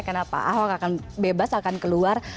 karena pak ahok akan bebas akan keluar